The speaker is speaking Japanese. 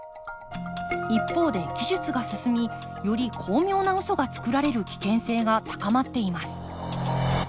一方で技術が進みより巧妙なウソがつくられる危険性が高まっています。